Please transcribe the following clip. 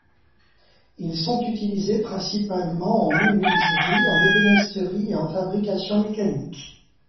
Ils sont utilisés principalement en menuiserie, en ébénisterie et en fabrication mécanique.